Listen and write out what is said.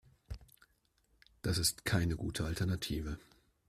Dies ist keine gute Alternative.